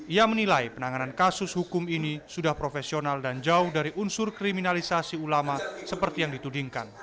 ia menilai penanganan kasus hukum ini sudah profesional dan jauh dari unsur kriminalisasi ulama seperti yang ditudingkan